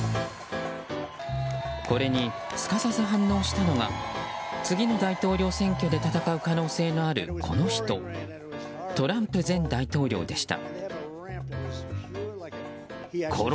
これにすかさず反応したのが次の大統領選挙で戦う可能性のある、この人トランプ前大統領でした。